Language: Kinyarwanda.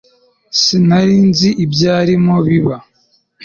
Sinari nzi ibyarimo biba